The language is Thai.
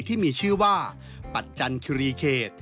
ที่มีชื่อว่าปัจจันคิรีเขต